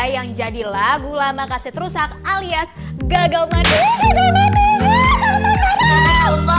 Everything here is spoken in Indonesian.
yang jadi lagu lama kasih rusak alias gagal mandi